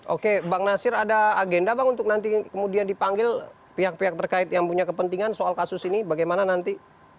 oke bang nasir ada agenda bang untuk nanti kemudian dipanggil pihak pihak terkait yang punya kepentingan soal kasus ini bagaimana nanti